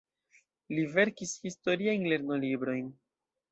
Li verkis historiajn lernolibrojn.